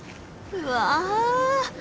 うわ！